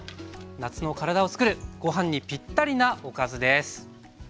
夏の体をつくるご飯にぴったりなおかずです。